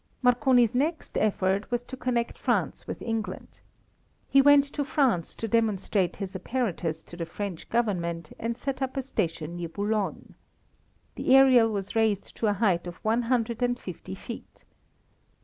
Marconi's next effort was to connect France with England. He went to France to demonstrate his apparatus to the French Government and set up a station near Boulogne. The aerial was raised to a height of one hundred and fifty feet.